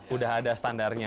udah ada standarnya